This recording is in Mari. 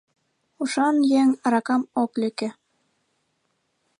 Ушан еҥ аракам ок лӧкӧ...